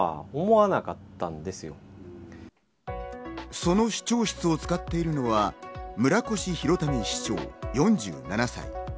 その市長室を使っているのは村越祐民市長、４７歳。